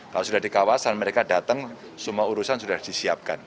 kalau sudah di kawasan mereka datang semua urusan sudah disiapkan